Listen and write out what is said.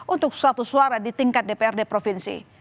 untuk suatu suara di tingkat dprd provinsi